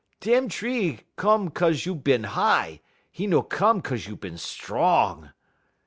dem tree come 'cause you bin high; 'e no come 'cause you bin strong.'